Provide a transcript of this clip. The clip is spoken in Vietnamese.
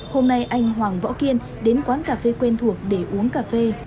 hôm nay anh hoàng võ kiên đến quán cà phê quen thuộc để uống cà phê